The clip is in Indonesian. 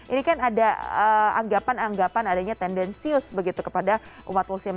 ini kan ada anggapan anggapan adanya tendensius begitu kepada umat muslim